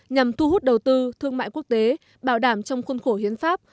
nhằm thu hút đầu tư thương mại quốc tế bảo đảm trong khuôn khổ hiến pháp